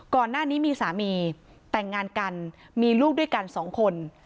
ก่อนหน้านี้มีสามีแต่งงานกันมีลูกด้วยกันสองคน